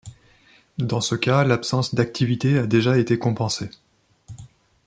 Dans ce cas, l'absence d'activités a déjà été compensée.